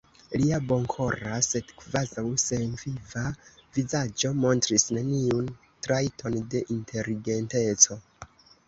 Lia bonkora, sed kvazaŭ senviva vizaĝo montris neniun trajton de inteligenteco.